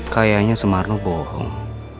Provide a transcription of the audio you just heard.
kayaknya semarno bohong